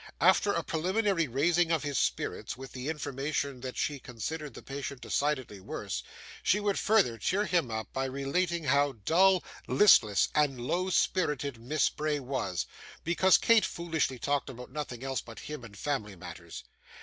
After a preliminary raising of his spirits with the information that she considered the patient decidedly worse, she would further cheer him up by relating how dull, listless, and low spirited Miss Bray was, because Kate foolishly talked about nothing else but him and family matters.